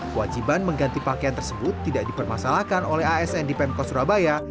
kewajiban mengganti pakaian tersebut tidak dipermasalahkan oleh asn di pemkot surabaya